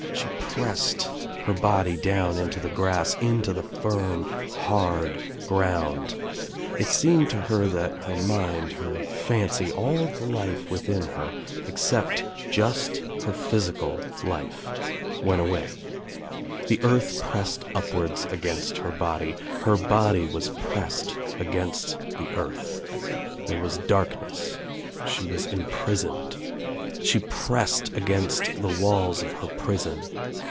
She pressed her body down into the grass, into the firm hard ground. It seemed to her OUT OF NOWHERE INTO NOTHING 237 I ^^nat her mind, her fancy, all the Ufe within her, ex ^^cept just her physical life, went away. The earth pressed upwards against her body. Her body was pressed against the earth. There was darkness. She 1 was imprisoned. She pressed against the walls of her prison.